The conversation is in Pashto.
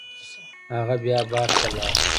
هغه بیا بار ته لاړ.